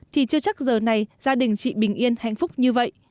thì chưa chắc giờ này gia đình chị bình yên hạnh phúc như vậy